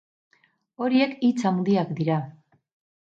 Horiek hitz handiak dira.